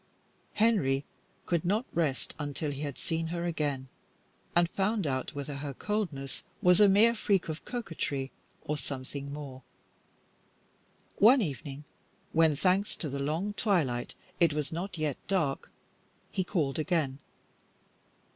Henry could not rest until he had seen her again, and found out whether her coldness was a mere freak of coquetry, or something more. One evening when, thanks to the long twilight, it was not yet dark, he called again.